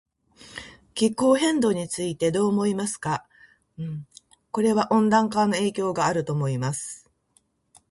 気候変動についてどう思いますかこれは温暖化の影響があると思います